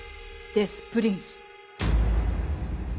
「デス・プリンス」。